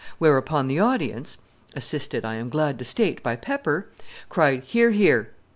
Whereupon the audience (assisted, I am glad to state, by Pepper) cried "Hear! Hear!"